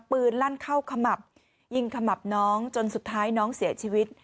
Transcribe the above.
ลั่นเข้าขมับยิงขมับน้องจนสุดท้ายน้องเสียชีวิต